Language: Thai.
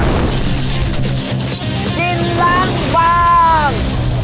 กินล้างบาง